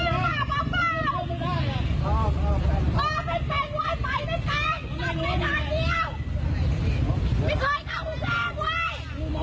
ไม่ได้เอากระเป๋าตั้งมาเนี่ยแล้วพาทุกคนมาจะกลับบ้าน